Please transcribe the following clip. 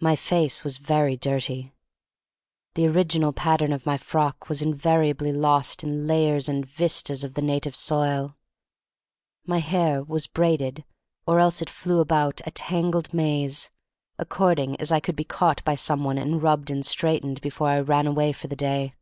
My face was very dirty. The original pattern of my frock was invariably lost in lay ers and vistas of the native soil. My THE STORY OF MARY MAC LANE 67 hair was braided or else it flew about, a tangled maze, according as I could be caught by some one and rubbed and straightened before I ran away for the day.